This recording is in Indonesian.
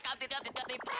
kantin kantin kantin perh